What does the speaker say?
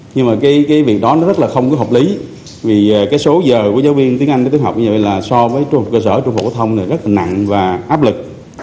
nhưng mà cái việc đó nó rất là không có hợp lý vì cái số giờ của giáo viên tiếng anh tiểu học như vậy là so với cơ sở trung phục hóa thông này rất là nặng và áp lực